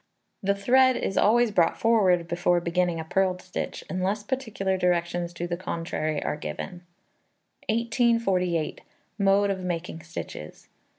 The thread is always brought forward before beginning a purled stitch, unless particular directions to the contrary are given. 1848. Mode of making Stitches.